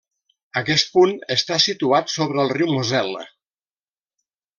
Aquest punt està situat sobre el riu Mosel·la.